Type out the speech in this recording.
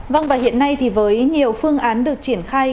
vâng và hiện nay thì với nhiều phương án được triển khai